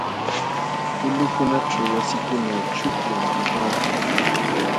Ulqukunaćhu wasikuna chuqllam kapaakun.